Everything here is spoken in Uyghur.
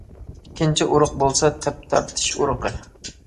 ئىككىنچى ئۇرۇق بولسا تەپ تارتىش ئۇرۇقى.